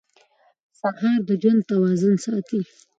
سهار د ژوند توازن ساتي.